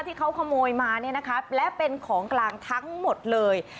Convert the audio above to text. ที่เขาขโมยมาเนี่ยนะคะและเป็นของกลางทั้งหมดเลย